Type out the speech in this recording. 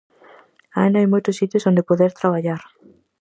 Aínda hai moitos sitios onde poder traballar.